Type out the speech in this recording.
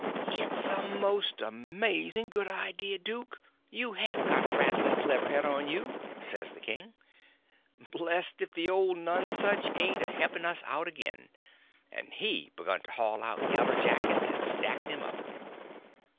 "It's a most amaz'n' good idea, duke—you have got a rattlin' clever head on you," says the king. "Blest if the old Nonesuch ain't a heppin' us out agin," and he begun to haul out yaller jackets and stack them up.